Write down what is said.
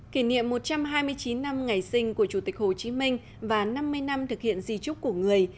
kỷ niệm một trăm hai mươi chín năm ngày sinh của chủ tịch hồ chí minh và năm mươi năm thực hiện di trúc của người